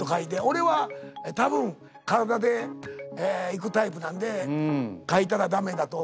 俺は多分体でいくタイプなんで書いたら駄目だと思うんですけども。